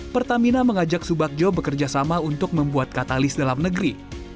pertamina mengajak subakjo bekerjasama untuk membuat katalis dalam negeri